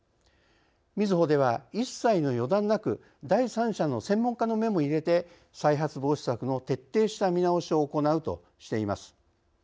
みずほでは一切の予断なく第３者の専門家の目も入れて再発防止策の徹底した見直しを行うとしています。